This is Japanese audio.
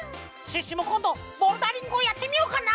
シュッシュもこんどボルダリングをやってみようかな？